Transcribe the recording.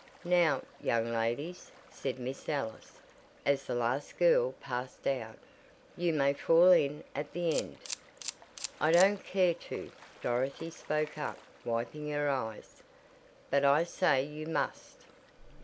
"Now, young ladies," said Miss Ellis, as the last girl passed out, "you may fall in at the end." "I don't care to," Dorothy spoke up, wiping her eyes. "But I say you must!"